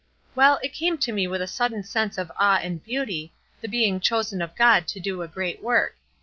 Well, it came to me with a sudden sense of awe and beauty, the being chosen of God to do a great work.